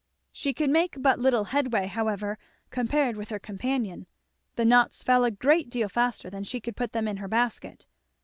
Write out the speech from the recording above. She could make but little headway however compared with her companion; the nuts fell a great deal faster than she could put them in her basket.